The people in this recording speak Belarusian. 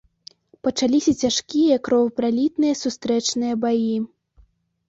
Пачаліся цяжкія, кровапралітныя сустрэчныя баі.